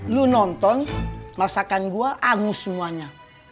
lu nonton masakan gue angus semuanya